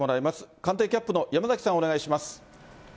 官邸キャップの山崎さん、お願いします。